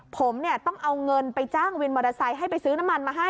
ผมเนี่ยต้องเอาเงินไปจ้างวินมอเตอร์ไซค์ให้ไปซื้อน้ำมันมาให้